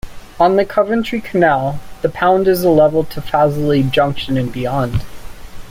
On the Coventry Canal, the pound is level to Fazeley Junction and beyond.